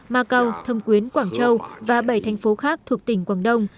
macau thâm quyến quảng châu và bảy thành phố khác thuộc tỉnh quảng đông